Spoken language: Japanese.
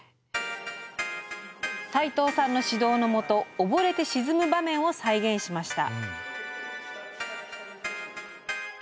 斎藤さんの指導の下溺れて沈む場面を再現しました。